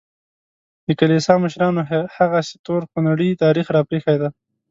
د کلیسا مشرانو هغسې تور خونړی تاریخ راپرېښی دی.